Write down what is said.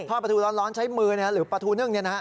ถ้าปลาทูร้อนใช้มือหรือปลาทูเนื่องนี้นะ